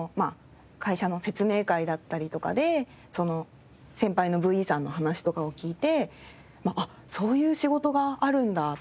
会社の説明会だったりとかで先輩のＶＥさんの話とかを聞いてあっそういう仕事があるんだっていうのを知り